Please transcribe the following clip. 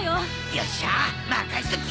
よっしゃあ任しとき！